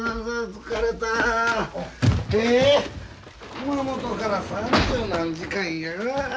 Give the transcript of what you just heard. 熊本から三十何時間や。